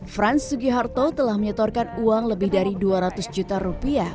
frans sugiharto telah menyetorkan uang lebih dari dua ratus juta rupiah